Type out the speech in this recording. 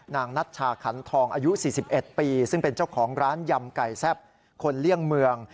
นัชชาขันทองอายุ๔๑ปีซึ่งเป็นเจ้าของร้านยำไก่แซ่บคนเลี่ยงเมือง